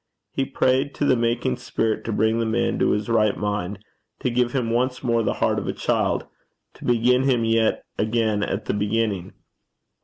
He prayed to the making Spirit to bring the man to his right mind, to give him once more the heart of a child, to begin him yet again at the beginning.